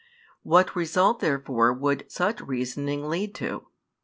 What result therefore would such reasoning lead to?